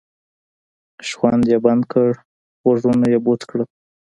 شخوند یې بند کړ غوږونه یې بوڅ کړل.